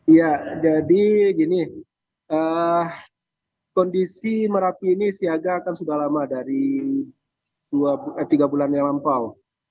ya jadi gini kondisi merapi ini siaga kan sudah lama dari tiga bulan yang lampau